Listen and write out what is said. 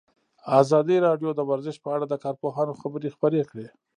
ازادي راډیو د ورزش په اړه د کارپوهانو خبرې خپرې کړي.